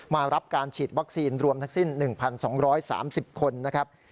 มารับการฉีดวัคซีนรวมทั้งสิ้น๑๒๓๐คนนะครับ